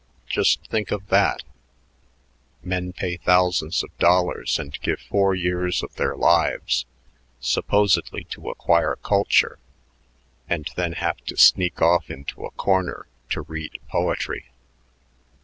Just think of that! Men pay thousands of dollars and give four years of their lives supposedly to acquire culture and then have to sneak off into a corner to read poetry.